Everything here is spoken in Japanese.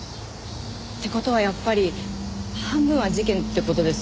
って事はやっぱり半分は事件って事ですよね。